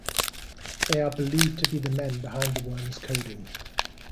They are believed to be the men behind the worm's coding.